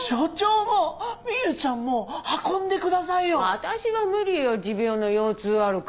私は無理よ持病の腰痛あるから。